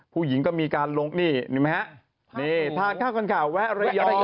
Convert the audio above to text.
ผู้หญิงก็มีการลงนี่ไหมฮะนี่ทานข้าวกันข่าวแวะระยะ